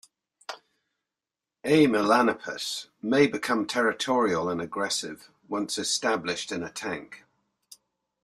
"A. melanopus" may become territorial and aggressive once established in a tank.